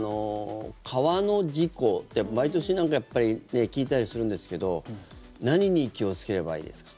川の事故毎年聞いたりするんですけど何に気をつければいいですか？